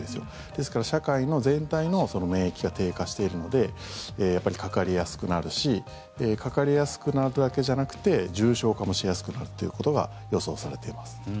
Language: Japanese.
ですから、社会全体の免疫が低下しているのでやっぱり、かかりやすくなるしかかりやすくなるだけじゃなくて重症化もしやすくなるということが予想されています。